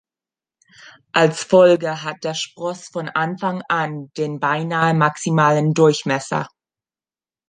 Als Folge hat der Spross von Anfang an den beinahe maximalen Durchmesser.